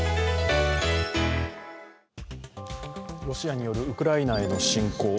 ロシアによるウクライナへの侵攻。